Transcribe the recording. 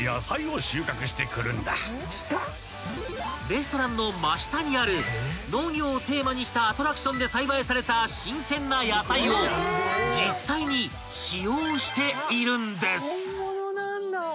［レストランの真下にある農業をテーマにしたアトラクションで栽培された新鮮な野菜を実際に使用しているんです］